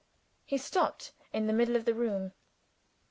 He stopped in the middle of the room.